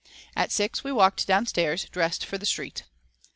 At six we walked downstairs, dressed for the street.